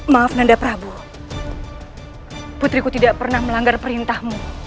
maaf nanda prabu putriku tidak pernah melanggar perintahmu